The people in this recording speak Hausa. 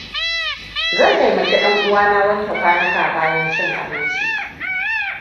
Zan taimaki ɗan uwana wanke kwanuka bayan cin abinci.